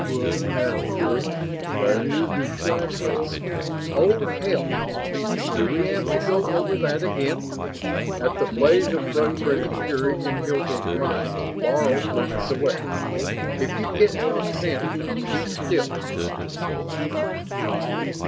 "But, Master, that is exactly ..." "Oh, hell! Do we have to go over that again?" At the blaze of frustrated fury in Hilton's mind Laro flinched away. "If you can't talk sense keep still."